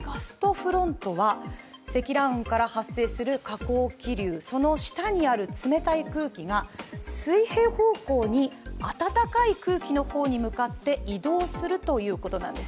フロントは、積乱雲から発生する下降気流、その下にある冷たい空気が水平方向に暖かい空気に向かって移動するということなんです。